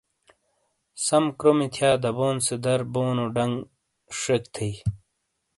سَم کرومی تھِیا دَبون سے دَر بونو ڈَنگ شَیک تھیئی۔